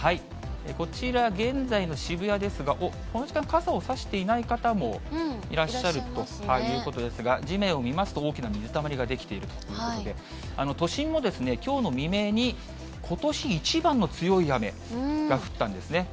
こちら、現在の渋谷ですが、おっ、この時間、傘を差していない方もいらっしゃるということですが、地面を見ますと、大きな水たまりが出来ているということで、都心もきょうの未明に、ことし一番の強い雨が降ったんですね。